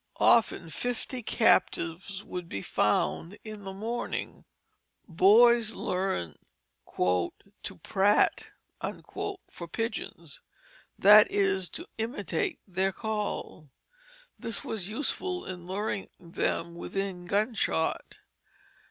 Often fifty captives would be found in the morning. Boys learned "to prate" for pigeons, that is, to imitate their call. This was useful in luring them within gun shot.